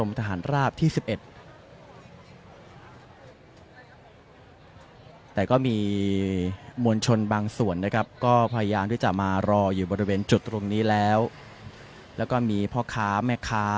แต่ก็มีมวลชนบางส่วนนะครับก็พยายามที่จะมารออยู่บริเวณจุดตรงนี้แล้วแล้วก็มีพ่อค้าแม่ค้า